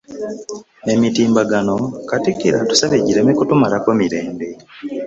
Emitimbagano, katikkiro atusabye gireme kutumalako mirembe